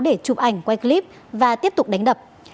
để chụp ảnh quay clip và tiếp tục đánh đập